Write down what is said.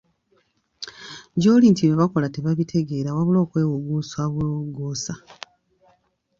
Gy'oli nti bye bakola tebabitegeera wabula okwewugguusa obwewugguusa.